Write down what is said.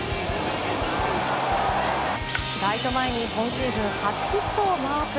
ライト前に今シーズン初ヒットをマーク。